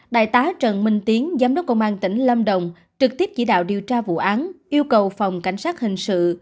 đại tá trần minh tiến giám đốc công an tỉnh lâm đồng trực tiếp chỉ đạo điều tra vụ án yêu cầu phòng cảnh sát hình sự